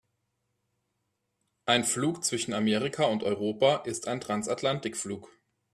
Ein Flug zwischen Amerika und Europa ist ein Transatlantikflug.